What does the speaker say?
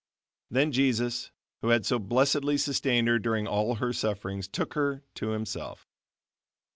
Then Jesus, who had so blessedly sustained her during all her sufferings took her to Himself.